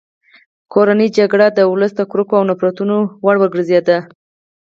کورنۍ جګړې د ولس د کرکو او نفرتونو وړ وګرځېدې.